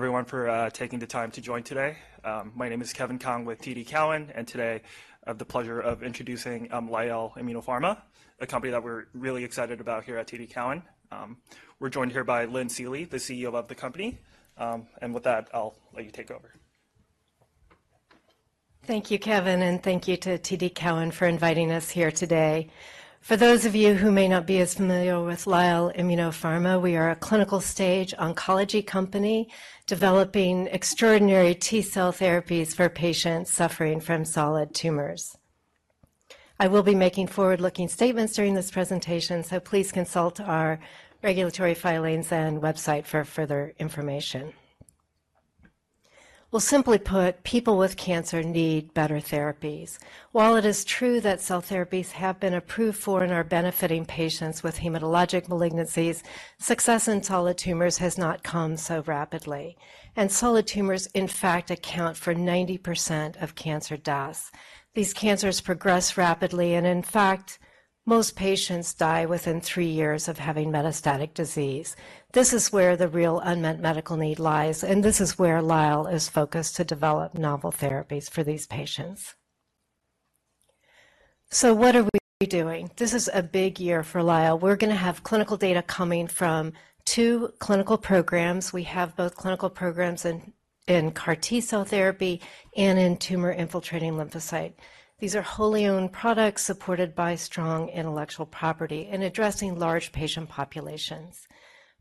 Everyone, for taking the time to join today. My name is Kevin Kong with TD Cowen, and today I have the pleasure of introducing Lyell Immunopharma, a company that we're really excited about here at TD Cowen. We're joined here by Lynn Seely, the CEO of the company, and with that, I'll let you take over. Thank you, Kevin, and thank you to TD Cowen for inviting us here today. For those of you who may not be as familiar with Lyell Immunopharma, we are a clinical-stage oncology company developing extraordinary T-cell therapies for patients suffering from solid tumors. I will be making forward-looking statements during this presentation, so please consult our regulatory filings and website for further information. We'll simply put: people with cancer need better therapies. While it is true that cell therapies have been approved for and are benefiting patients with hematologic malignancies, success in solid tumors has not come so rapidly. Solid tumors, in fact, account for 90% of cancer deaths. These cancers progress rapidly, and in fact, most patients die within three years of having metastatic disease. This is where the real unmet medical need lies, and this is where Lyell is focused to develop novel therapies for these patients. So what are we doing? This is a big year for Lyell. We're going to have clinical data coming from two clinical programs. We have both clinical programs in CAR T-cell therapy and in tumor-infiltrating lymphocyte. These are wholly-owned products supported by strong intellectual property and addressing large patient populations.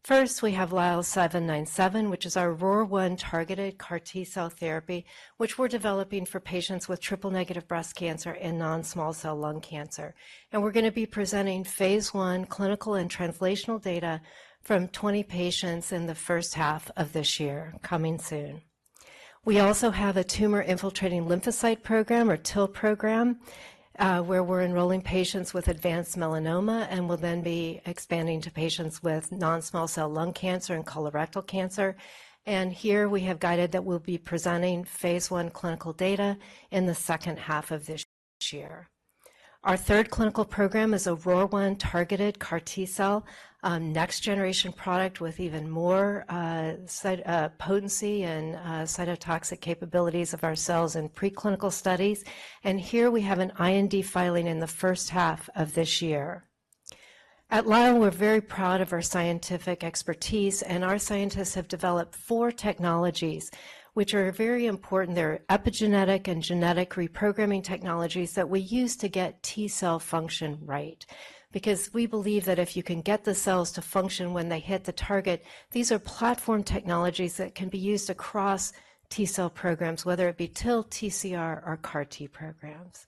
First, we have LYL797, which is our ROR1-targeted CAR T-cell therapy, which we're developing for patients with triple-negative breast cancer and non-small cell lung cancer. And we're going to be presenting phase I clinical and translational data from 20 patients in the first half of this year, coming soon. We also have a tumor-infiltrating lymphocyte program, or TIL program, where we're enrolling patients with advanced melanoma and will then be expanding to patients with non-small cell lung cancer and colorectal cancer. Here we have guided that we'll be presenting phase I clinical data in the second half of this year. Our third clinical program is a ROR1-targeted CAR T-cell, next-generation product with even more potency and cytotoxic capabilities of our cells in preclinical studies. Here we have an IND filing in the first half of this year. At Lyell, we're very proud of our scientific expertise, and our scientists have developed four technologies which are very important. They're epigenetic and genetic reprogramming technologies that we use to get T-cell function right. Because we believe that if you can get the cells to function when they hit the target, these are platform technologies that can be used across T-cell programs, whether it be TIL, TCR, or CAR T programs.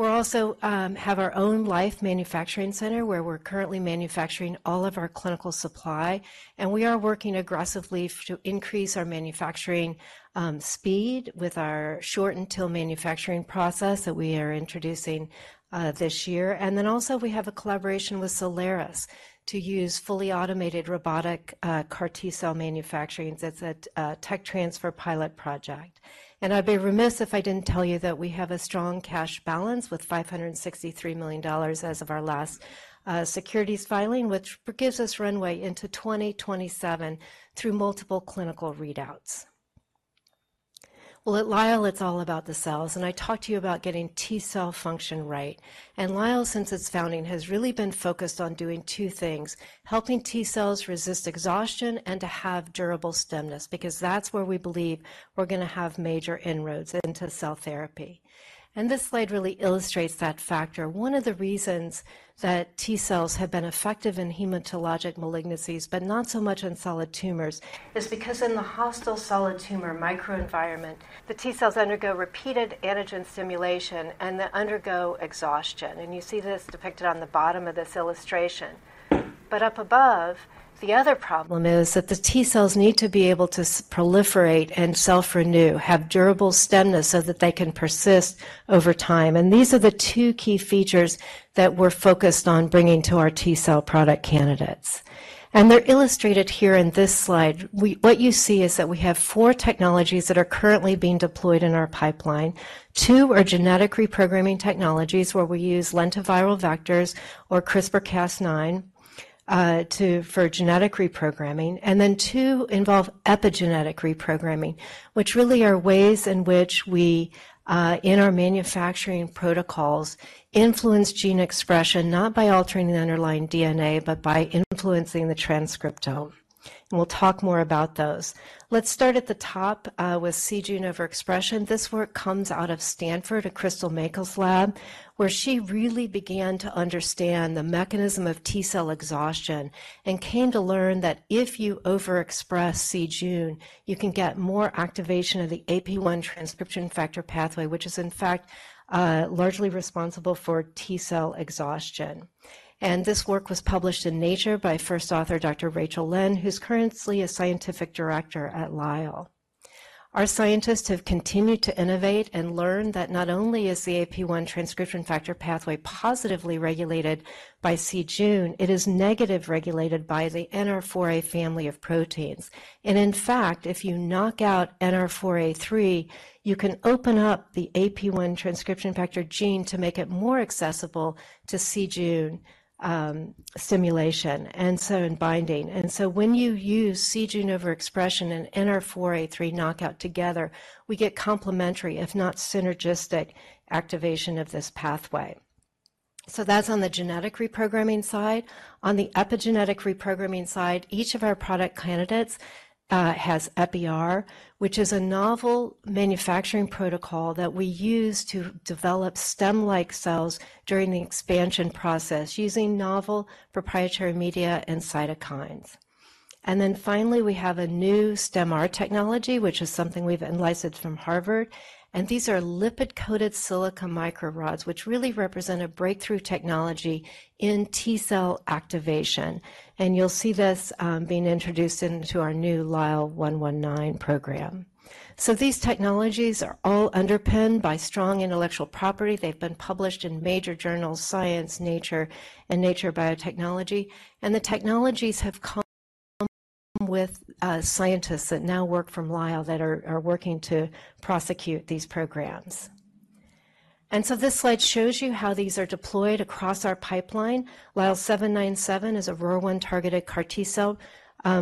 We're also have our own Lyell manufacturing center where we're currently manufacturing all of our clinical supply, and we are working aggressively to increase our manufacturing speed with our shortened TIL manufacturing process that we are introducing this year. And then also we have a collaboration with Cellares to use fully automated robotic CAR T-cell manufacturing. That's a tech transfer pilot project. And I'd be remiss if I didn't tell you that we have a strong cash balance with $563 million as of our last securities filing, which gives us runway into 2027 through multiple clinical readouts. Well, at Lyell, it's all about the cells, and I talked to you about getting T-cell function right. Lyell, since its founding, has really been focused on doing two things: helping T-cells resist exhaustion and to have durable stemness, because that's where we believe we're going to have major inroads into cell therapy. This slide really illustrates that factor. One of the reasons that T-cells have been effective in hematologic malignancies, but not so much in solid tumors, is because in the hostile solid tumor microenvironment, the T-cells undergo repeated antigen stimulation and they undergo exhaustion. You see this depicted on the bottom of this illustration. But up above, the other problem is that the T-cells need to be able to proliferate and self-renew, have durable stemness so that they can persist over time. These are the two key features that we're focused on bringing to our T-cell product candidates. They're illustrated here in this slide. What you see is that we have four technologies that are currently being deployed in our pipeline. Two are genetic reprogramming technologies where we use lentiviral vectors, or CRISPR-Cas9, to genetic reprogramming. Then two involve epigenetic reprogramming, which really are ways in which we, in our manufacturing protocols, influence gene expression not by altering the underlying DNA, but by influencing the transcriptome. And we'll talk more about those. Let's start at the top, with c-Jun overexpression. This work comes out of Stanford, Crystal Mackall's lab, where she really began to understand the mechanism of T-cell exhaustion and came to learn that if you overexpress c-Jun, you can get more activation of the AP-1 transcription factor pathway, which is, in fact, largely responsible for T-cell exhaustion. And this work was published in Nature by first author Dr. Rachel Lynn, who's currently a scientific director at Lyell. Our scientists have continued to innovate and learn that not only is the AP-1 transcription factor pathway positively regulated by c-Jun, it is negatively regulated by the NR4A family of proteins. And in fact, if you knock out NR4A3, you can open up the AP-1 transcription factor gene to make it more accessible to c-Jun stimulation and so on in binding. And so when you use c-Jun overexpression and NR4A3 knockout together, we get complementary, if not synergistic, activation of this pathway. So that's on the genetic reprogramming side. On the epigenetic reprogramming side, each of our product candidates has Epi-R, which is a novel manufacturing protocol that we use to develop stem-like cells during the expansion process using novel proprietary media and cytokines. And then finally, we have a new Stim-R technology, which is something we've licensed from Harvard. These are lipid-coated silica micro rods, which really represent a breakthrough technology in T-cell activation. You'll see this, being introduced into our new LYL119 program. So these technologies are all underpinned by strong intellectual property. They've been published in major journals Science, Nature, and Nature Biotechnology. And the technologies have come with scientists that now work from Lyell that are working to prosecute these programs. And so this slide shows you how these are deployed across our pipeline. LYL797 is a ROR1-targeted CAR T-cell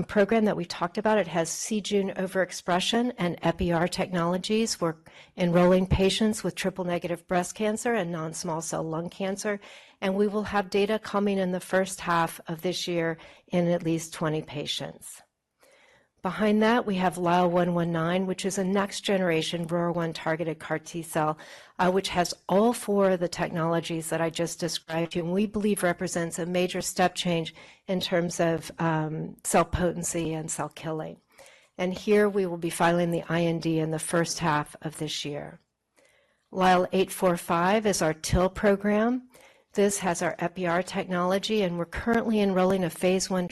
program that we talked about. It has c-Jun overexpression and Epi-R technologies. We're enrolling patients with triple-negative breast cancer and non-small cell lung cancer. And we will have data coming in the first half of this year in at least 20 patients. Behind that, we have LYL119, which is a next-generation ROR1-targeted CAR T-cell, which has all four of the technologies that I just described to you and we believe represents a major step change in terms of, cell potency and cell killing. And here we will be filing the IND in the first half of this year. LYL845 is our TIL program. This has our Epi-R technology, and we're currently enrolling a phase I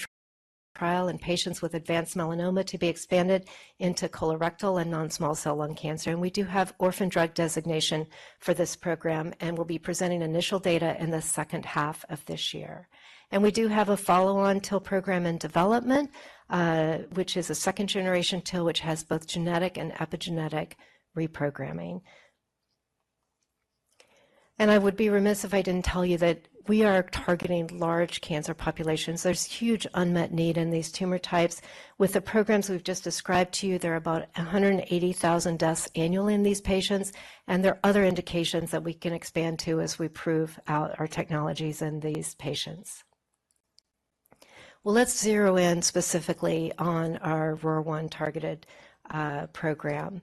trial in patients with advanced melanoma to be expanded into colorectal and non-small cell lung cancer. And we do have orphan drug designation for this program and will be presenting initial data in the second half of this year. And we do have a follow-on TIL program in development, which is a second-generation TIL which has both genetic and epigenetic reprogramming. I would be remiss if I didn't tell you that we are targeting large cancer populations. There's huge unmet need in these tumor types. With the programs we've just described to you, there are about 180,000 deaths annually in these patients. There are other indications that we can expand to as we prove out our technologies in these patients. Well, let's zero in specifically on our ROR1-targeted program.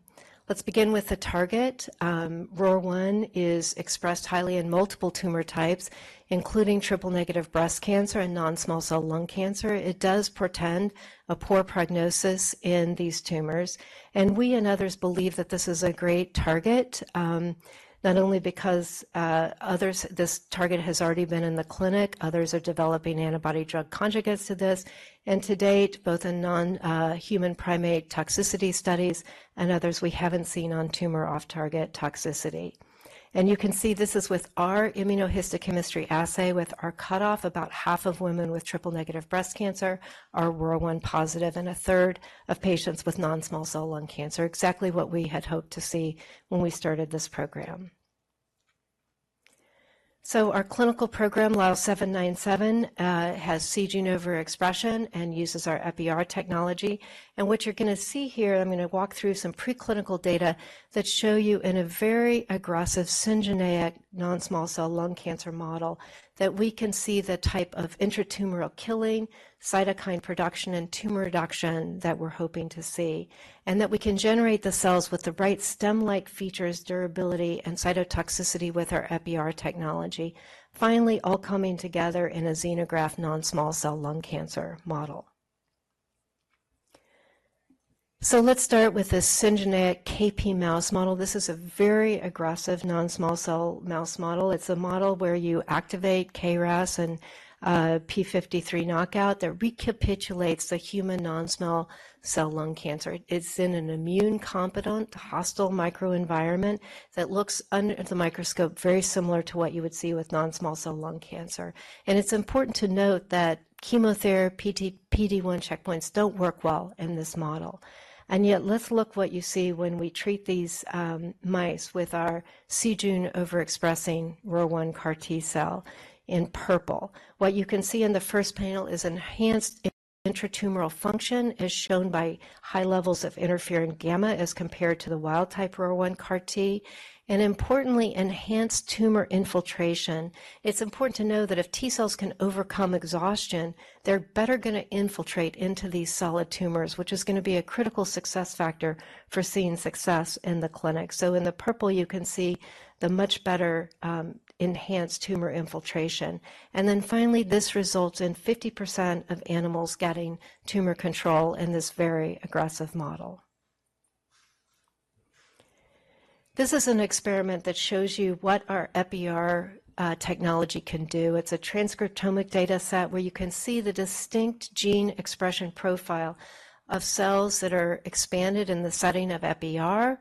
Let's begin with the target. ROR1 is expressed highly in multiple tumor types, including triple-negative breast cancer and non-small cell lung cancer. It does portend a poor prognosis in these tumors. We and others believe that this is a great target, not only because, others this target has already been in the clinic. Others are developing antibody-drug conjugates to this. And to date, both in non-human primate toxicity studies and others, we haven't seen on-tumor off-target toxicity. You can see this is with our immunohistochemistry assay, with our cutoff about half of women with triple-negative breast cancer are ROR1 positive and a third of patients with non-small cell lung cancer, exactly what we had hoped to see when we started this program. So our clinical program, LYL797, has c-Jun overexpression and uses our Epi-R technology. And what you're going to see here, I'm going to walk through some preclinical data that show you in a very aggressive syngeneic non-small cell lung cancer model that we can see the type of intratumoral killing, cytokine production, and tumor reduction that we're hoping to see. And that we can generate the cells with the right stem-like features, durability, and cytotoxicity with our Epi-R technology, finally all coming together in a xenograft non-small cell lung cancer model. So let's start with this syngeneic KP mouse model. This is a very aggressive non-small cell mouse model. It's a model where you activate KRAS and p53 knockout that recapitulates the human non-small cell lung cancer. It's in an immune-competent hostile microenvironment that looks under the microscope very similar to what you would see with non-small cell lung cancer. It's important to note that chemotherapy PD-1 checkpoints don't work well in this model. Yet, let's look what you see when we treat these mice with our c-Jun overexpressing ROR1 CAR T cell in purple. What you can see in the first panel is enhanced intratumoral function, as shown by high levels of interferon gamma as compared to the wild-type ROR1 CAR T, and importantly, enhanced tumor infiltration. It's important to know that if T cells can overcome exhaustion, they're better going to infiltrate into these solid tumors, which is going to be a critical success factor for seeing success in the clinic. So in the purple, you can see the much better, enhanced tumor infiltration. And then finally, this results in 50% of animals getting tumor control in this very aggressive model. This is an experiment that shows you what our Epi-R technology can do. It's a transcriptomic data set where you can see the distinct gene expression profile of cells that are expanded in the setting of Epi-R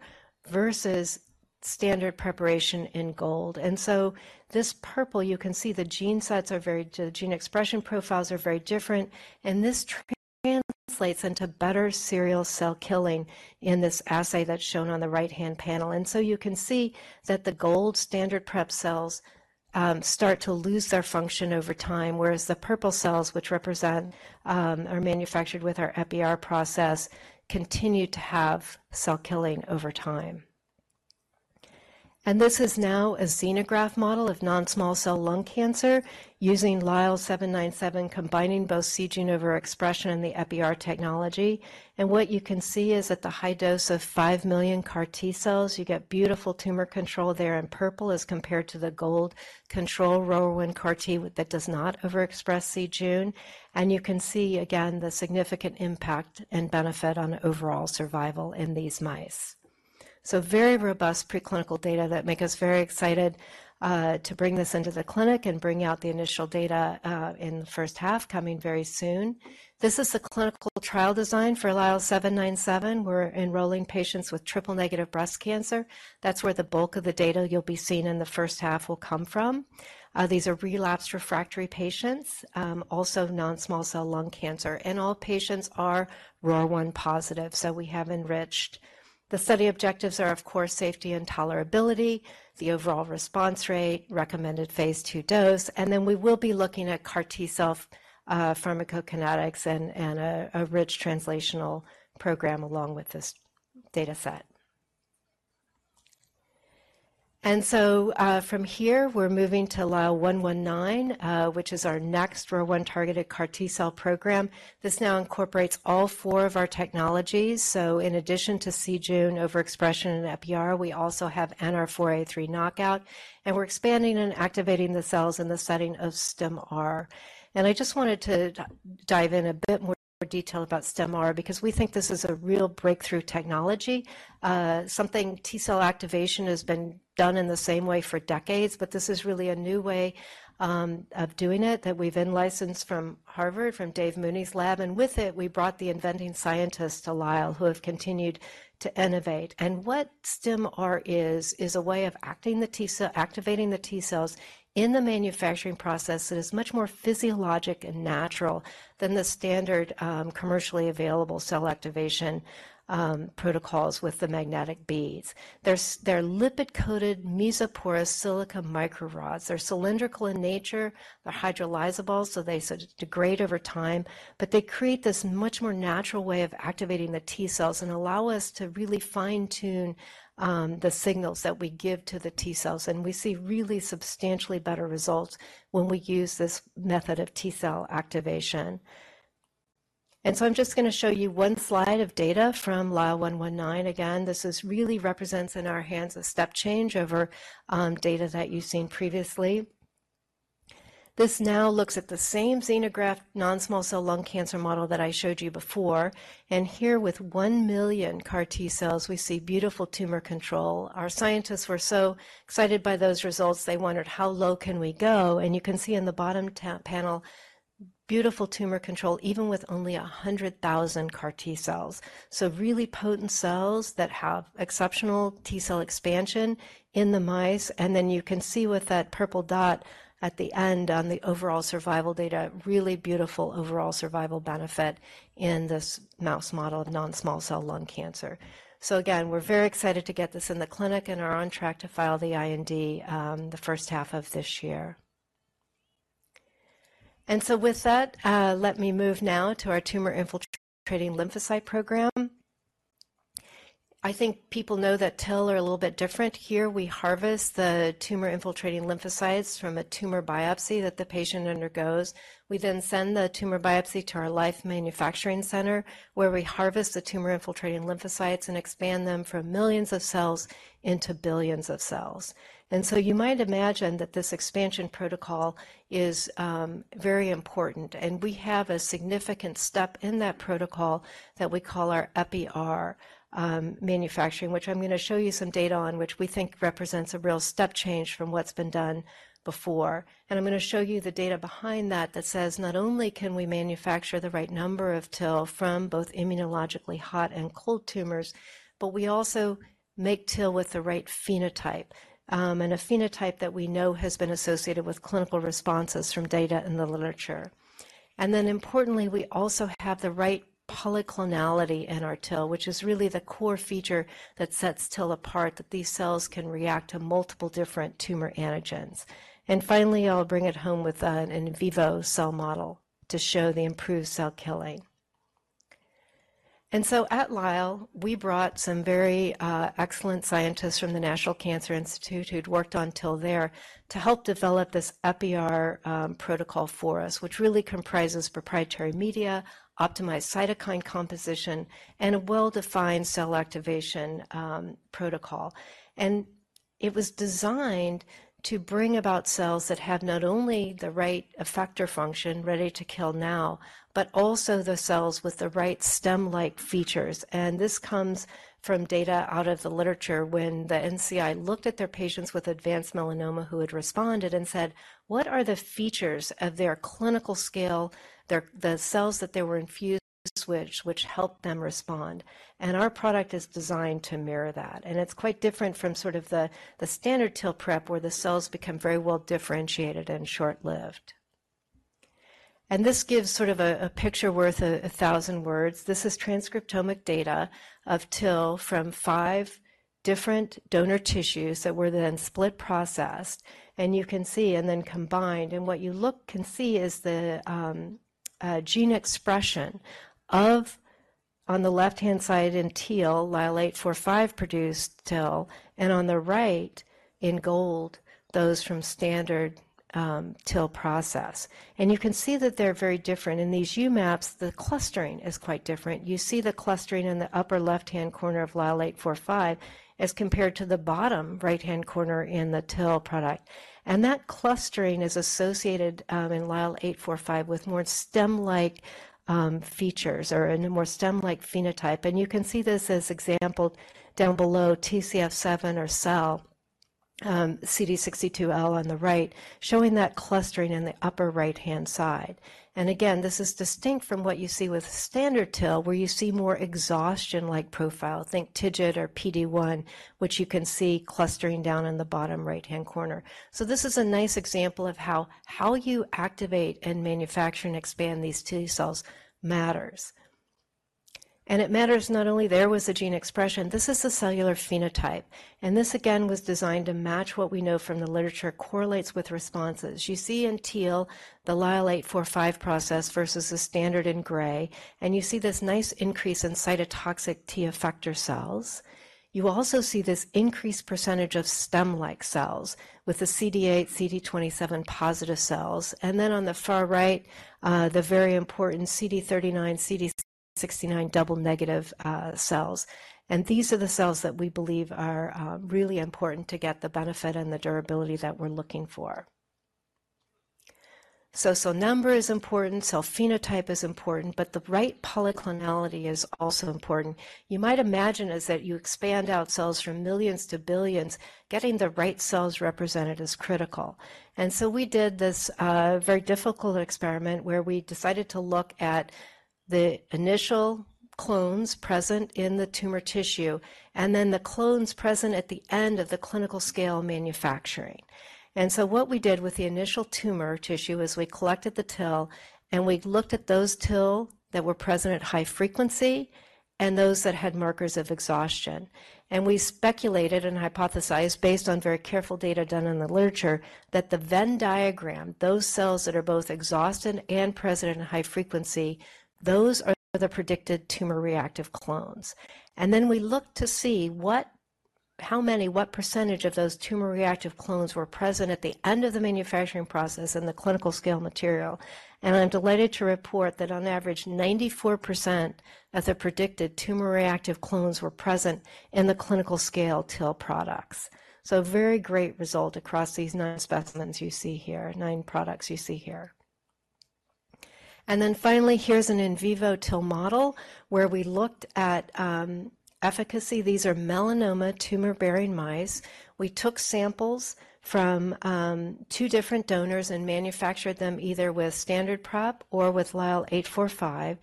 versus standard preparation in gold. And so this purple, you can see the gene sets are very different, the gene expression profiles are very different. And this translates into better serial cell killing in this assay that's shown on the right-hand panel. You can see that the gold standard prep cells start to lose their function over time, whereas the purple cells, which represent, are manufactured with our Epi-R process, continue to have cell killing over time. This is now a xenograft model of non-small cell lung cancer using Lyell 797, combining both c-Jun overexpression and the Epi-R technology. What you can see is at the high dose of 5 million CAR T cells, you get beautiful tumor control there in purple as compared to the gold control ROR1 CAR T that does not overexpress c-Jun. You can see, again, the significant impact and benefit on overall survival in these mice. Very robust preclinical data that make us very excited to bring this into the clinic and bring out the initial data in the first half coming very soon. This is the clinical trial design for LYL797. We're enrolling patients with triple-negative breast cancer. That's where the bulk of the data you'll be seeing in the first half will come from. These are relapsed refractory patients, also non-small cell lung cancer. And all patients are ROR1 positive. So we have enriched the study objectives are, of course, safety and tolerability, the overall response rate, recommended phase II dose. And then we will be looking at CAR T-cell pharmacokinetics and a rich translational program along with this data set. And so, from here, we're moving to LYL119, which is our next ROR1-targeted CAR T-cell program. This now incorporates all four of our technologies. So in addition to c-Jun overexpression and Epi-R, we also have NR4A3 knockout. And we're expanding and activating the cells in the setting of Stim-R. I just wanted to dive in a bit more detail about Stim-R because we think this is a real breakthrough technology. T-cell activation has been done in the same way for decades, but this is really a new way of doing it that we've in-licensed from Harvard, from Dave Mooney's lab. With it, we brought the inventing scientists to Lyell who have continued to innovate. What Stim-R is, is a way of activating the T-cells in the manufacturing process that is much more physiologic and natural than the standard, commercially available cell activation protocols with the magnetic beads. They're lipid-coated mesoporous silica micro rods. They're cylindrical in nature. They're hydrolyzable, so they degrade over time. But they create this much more natural way of activating the T-cells and allow us to really fine-tune the signals that we give to the T-cells. We see really substantially better results when we use this method of T-cell activation. So I'm just going to show you one slide of data from LYL119. Again, this really represents in our hands a step change over data that you've seen previously. This now looks at the same xenograft non-small cell lung cancer model that I showed you before. Here with 1 million CAR T cells, we see beautiful tumor control. Our scientists were so excited by those results, they wondered, how low can we go? You can see in the bottom panel, beautiful tumor control even with only 100,000 CAR T cells. So really potent cells that have exceptional T-cell expansion in the mice. And then you can see with that purple dot at the end on the overall survival data, really beautiful overall survival benefit in this mouse model of non-small cell lung cancer. So again, we're very excited to get this in the clinic and are on track to file the IND, the first half of this year. And so with that, let me move now to our tumor-infiltrating lymphocyte program. I think people know that TIL are a little bit different. Here, we harvest the tumor-infiltrating lymphocytes from a tumor biopsy that the patient undergoes. We then send the tumor biopsy to our Lyell manufacturing center where we harvest the tumor-infiltrating lymphocytes and expand them from millions of cells into billions of cells. And so you might imagine that this expansion protocol is, very important. We have a significant step in that protocol that we call our Epi-R manufacturing, which I'm going to show you some data on, which we think represents a real step change from what's been done before. I'm going to show you the data behind that that says not only can we manufacture the right number of TIL from both immunologically hot and cold tumors, but we also make TIL with the right phenotype, and a phenotype that we know has been associated with clinical responses from data in the literature. Then importantly, we also have the right polyclonality in our TIL, which is really the core feature that sets TIL apart, that these cells can react to multiple different tumor antigens. Finally, I'll bring it home with an in vivo cell model to show the improved cell killing. And so at Lyell, we brought some very excellent scientists from the National Cancer Institute who'd worked on TIL there to help develop this Epi-R protocol for us, which really comprises proprietary media, optimized cytokine composition, and a well-defined cell activation protocol. And it was designed to bring about cells that have not only the right effector function ready to kill now, but also the cells with the right stem-like features. And this comes from data out of the literature when the NCI looked at their patients with advanced melanoma who had responded and said, what are the features of their clinical scale, their cells that they were infused with which helped them respond? And our product is designed to mirror that. And it's quite different from sort of the standard TIL prep where the cells become very well differentiated and short-lived. This gives sort of a picture worth 1,000 words. This is transcriptomic data of TIL from five different donor tissues that were then split processed and then combined. And what you can see is the gene expression on the left-hand side in teal, LYL-845-produced TIL. And on the right in gold, those from standard TIL process. And you can see that they're very different. In these UMAPs, the clustering is quite different. You see the clustering in the upper left-hand corner of LYL-845 as compared to the bottom right-hand corner in the TIL product. And that clustering is associated in LYL-845 with more stem-like features or a more stem-like phenotype. And you can see this as exemplified down below, TCF7, SELL, CD62L on the right, showing that clustering in the upper right-hand side. And again, this is distinct from what you see with standard TIL where you see more exhaustion-like profile. Think TIGIT or PD-1, which you can see clustering down in the bottom right-hand corner. So this is a nice example of how you activate and manufacture and expand these T cells matters. And it matters not only there was a gene expression. This is a cellular phenotype. And this again was designed to match what we know from the literature correlates with responses. You see in teal, the LYL845 process versus the standard in gray. And you see this nice increase in cytotoxic T effector cells. You also see this increased percentage of stem-like cells with the CD8, CD27 positive cells. And then on the far right, the very important CD39, CD69 double negative, cells. These are the cells that we believe are really important to get the benefit and the durability that we're looking for. So, number is important. Cell phenotype is important. But the right polyclonality is also important. You might imagine is that you expand out cells from millions to billions. Getting the right cells represented is critical. And so we did this very difficult experiment where we decided to look at the initial clones present in the tumor tissue and then the clones present at the end of the clinical scale manufacturing. And so what we did with the initial tumor tissue is we collected the TIL and we looked at those TIL that were present at high frequency and those that had markers of exhaustion. We speculated and hypothesized based on very careful data done in the literature that the Venn diagram, those cells that are both exhausted and present at high frequency, those are the predicted tumor reactive clones. Then we looked to see what how many, what percentage of those tumor reactive clones were present at the end of the manufacturing process in the clinical scale material. I'm delighted to report that on average, 94% of the predicted tumor reactive clones were present in the clinical scale TIL products. A very great result across these nine specimens you see here, nine products you see here. Then finally, here's an in vivo TIL model where we looked at efficacy. These are melanoma tumor-bearing mice. We took samples from two different donors and manufactured them either with standard prep or with LYL845.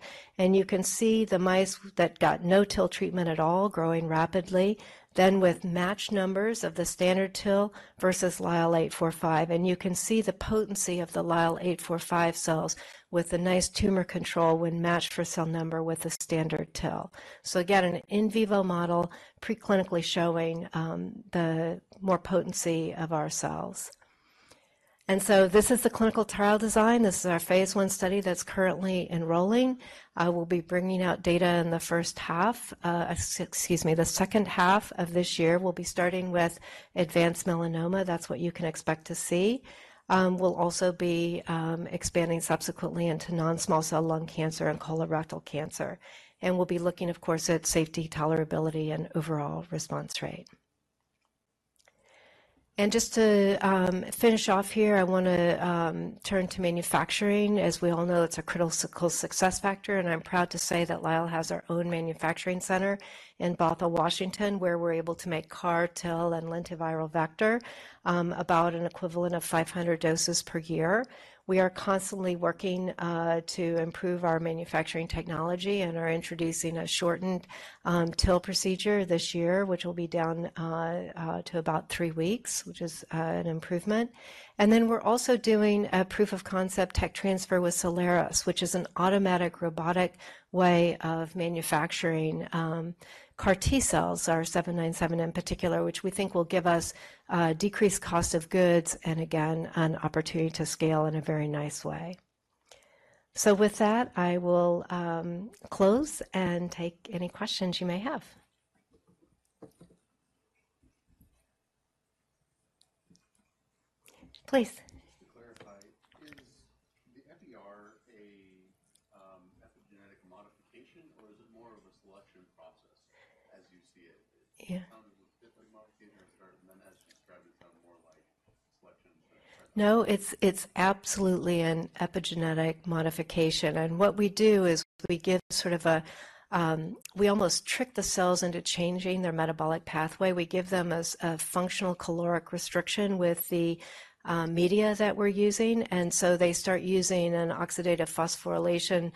You can see the mice that got no TIL treatment at all growing rapidly, then with matched numbers of the standard TIL versus LYL845. And you can see the potency of the LYL845 cells with the nice tumor control when matched for cell number with the standard TIL. So again, an in vivo model preclinically showing the more potency of our cells. And so this is the clinical trial design. This is our phase I study that's currently enrolling. I will be bringing out data in the first half, excuse me, the second half of this year. We'll be starting with advanced melanoma. That's what you can expect to see. We'll also be expanding subsequently into non-small cell lung cancer and colorectal cancer. And we'll be looking, of course, at safety, tolerability, and overall response rate. Just to finish off here, I want to turn to manufacturing. As we all know, it's a critical success factor. I'm proud to say that Lyell has our own manufacturing center in Bothell, Washington, where we're able to make CAR, TIL, and lentiviral vector, about an equivalent of 500 doses per year. We are constantly working to improve our manufacturing technology and are introducing a shortened TIL procedure this year, which will be down to about three weeks, which is an improvement. Then we're also doing a proof of concept tech transfer with Cellares, which is an automatic robotic way of manufacturing CAR T cells, our 797 in particular, which we think will give us a decreased cost of goods and again an opportunity to scale in a very nice way. So with that, I will close and take any questions you may have. Please. Just to clarify, is the Epi-R an epigenetic modification or is it more of a selection process as you see it? Yeah. It sounded like a modification or started and then as you described it sounded more like selection? No, it's absolutely an epigenetic modification. And what we do is we give sort of a, we almost trick the cells into changing their metabolic pathway. We give them a functional caloric restriction with the media that we're using. And so they start using an oxidative phosphorylation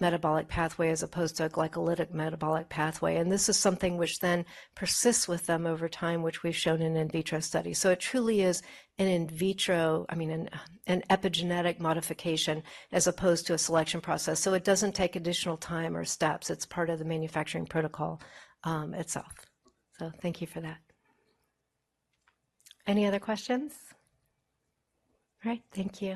metabolic pathway as opposed to a glycolytic metabolic pathway. And this is something which then persists with them over time, which we've shown in in vitro studies. So it truly is an in vitro, I mean, an epigenetic modification as opposed to a selection process. So it doesn't take additional time or steps. It's part of the manufacturing protocol, itself. Thank you for that. Any other questions? All right. Thank you.